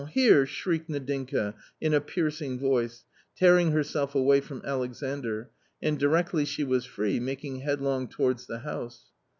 here!" shrieked Nadinka in a piercing voice, tearing herself away from Alexandr, and directly she was free making headlong towards the house.